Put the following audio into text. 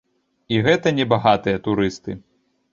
І гэта небагатыя турысты.